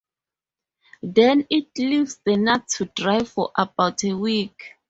Then it leaves the nut to dry for about a week.